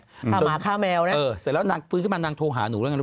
หมาฆ่าแมวนะเออเสร็จแล้วนางฟื้นขึ้นมานางโทรหาหนูแล้วไงรู้